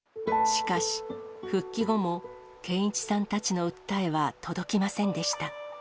しかし、復帰後も健一さんたちの訴えは届きませんでした。